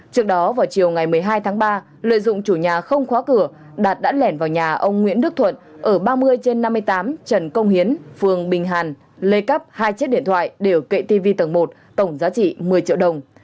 trước đó vào chiều ngày một mươi hai tháng ba lợi dụng chủ nhà không khóa cửa đạt đã lẻn vào nhà ông nguyễn đức thuận ở ba mươi trên năm mươi tám trần công hiến phường bình hàn lấy cắp hai chiếc điện thoại đều kệ tv tầng một tổng giá trị một mươi triệu đồng